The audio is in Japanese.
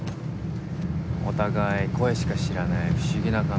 お互い声しか知らない不思議な関係。